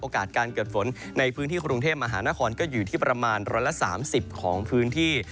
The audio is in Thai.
การเกิดฝนในพื้นที่กรุงเทพมหานครก็อยู่ที่ประมาณ๑๓๐ของพื้นที่